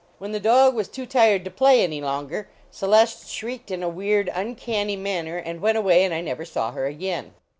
When the dog was too tired to play any longer, Celeste shrieked in a weird, uncanny manner, and went away, and I never <aw her again.